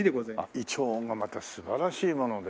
イチョウがまた素晴らしいもので。